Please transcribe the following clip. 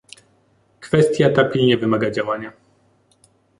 Kwestia ta pilnie wymaga działania